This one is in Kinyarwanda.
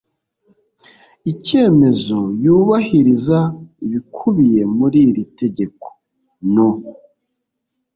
icyemezo yubahiriza ibikubiye muri iri tegeko no